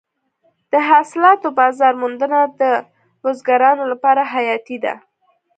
د حاصلاتو بازار موندنه د بزګرانو لپاره حیاتي ده.